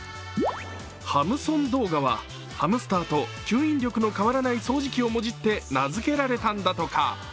ハムソン動画は、ハムスターと吸引力の変わらない掃除機をもじって名付けられたんだとか。